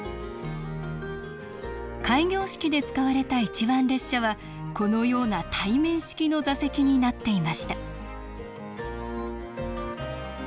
開業式で使われた一番列車はこのような対面式の座席になっていました